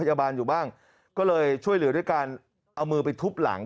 พยาบาลอยู่บ้างก็เลยช่วยเหลือด้วยการเอามือไปทุบหลัง